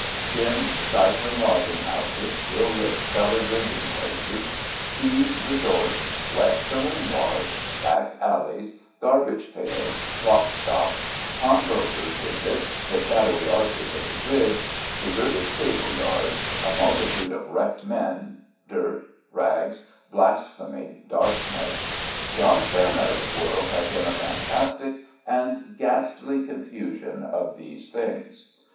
Dim, stifling lodging houses, ill lit cellar drink ing places, thieves' resorts, wet saloon bars, back alleys, garbage pails, slop shops, pawn brokers' wickets, the shadowy arches of the Bridge, de serted stable yards, a multitude of wrecked men, dirt, rags, blasphemy, darkness : John Fair meadow's^world had been a fantastic and ghastly confusion of these things.